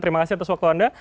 terima kasih atas waktu anda